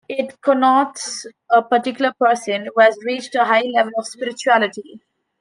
It connotes a particular person who has reached a high level of spirituality.